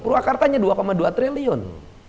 purwakartanya dua dua triliun